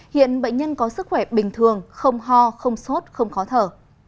hiện bệnh nhân có sức khỏe bình thường không ho không sốt không khó thở